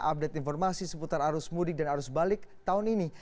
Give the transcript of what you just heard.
update informasi seputar arus mudik dan arus balik tahun ini